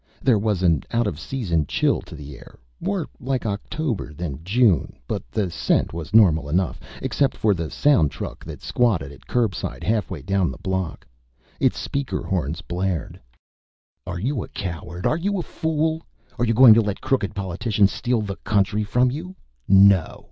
There was an out of season chill to the air, more like October than June; but the scent was normal enough except for the sound truck that squatted at curbside halfway down the block. Its speaker horns blared: "Are you a coward? Are you a fool? Are you going to let crooked politicians steal the country from you? NO!